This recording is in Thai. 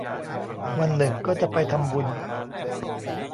วันหนึ่งก็จะไปทำบุญ